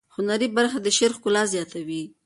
هنري برخه د شعر ښکلا زیاتوي.